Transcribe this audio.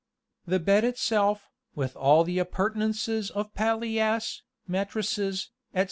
The bed itself, with all the appurtenances of palliasse, mattresses, etc.